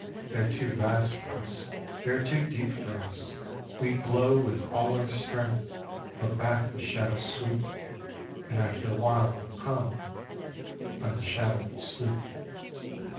They are too vast for us, they are too deep for us. We glow with all our strength, but back the shadows sweep: And after a while will come unshadowed Sleep.